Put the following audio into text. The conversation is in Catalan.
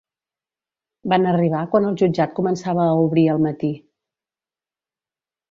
Van arribar quan el jutjat començava a obrir al matí.